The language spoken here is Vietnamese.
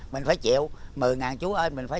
mình phải chịu một mươi ngàn chú ơi